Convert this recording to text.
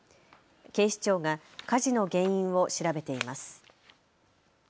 警視庁が火事の原因を調べています。